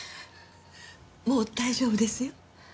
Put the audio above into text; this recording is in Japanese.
もう大丈夫ですよ。